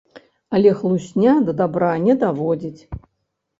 Але хлусня да дабра не даводзіць.